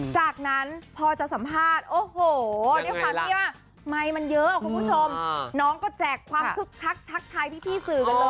จากนั้นพอจะสัมภาษณ์โอ้โหด้วยความที่ว่าไมค์มันเยอะคุณผู้ชมน้องก็แจกความคึกคักทักทายพี่สื่อกันเลย